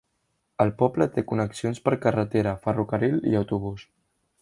El poble té connexions per carretera, ferrocarril i autobús.